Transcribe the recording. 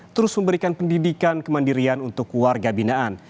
terus memberikan pendidikan kemandirian untuk warga binaan